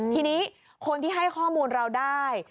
ทีนี้คนที่ให้ข้อมูลเราได้